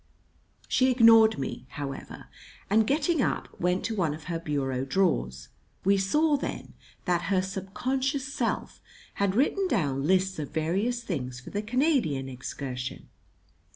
She ignored me, however, and, getting up, went to one of her bureau drawers. We saw then that her subconscious self had written down lists of various things for the Canadian excursion.